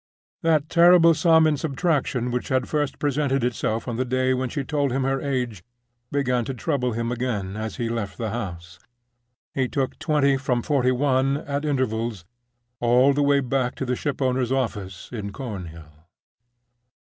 That terrible sum in subtraction which had first presented itself on the day when she told him her age began to trouble him again as he left the house. He took twenty from forty one, at intervals, all the way back to the ship owners' office in Cornhill.